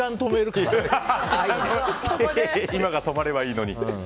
今が止まればいいのにと。